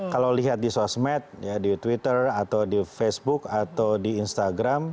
kalau lihat di sosmed di twitter atau di facebook atau di instagram